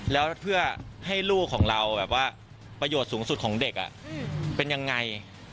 แล้วเพื่อให้ลูกของเราแบบว่าประโยชน์สูงสุดของเด็กเป็นยังไง